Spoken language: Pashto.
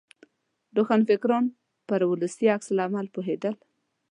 روښانفکران پر ولسي عکس العمل پوهېدل.